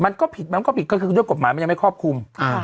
มันก็ผิดมันก็ผิดก็คือด้วยกฎหมายมันยังไม่ครอบคลุม